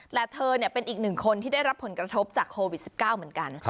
แต่เธอเป็นอีกหนึ่งคนที่ได้รับผลกระทบจากโควิด๑๙เหมือนกัน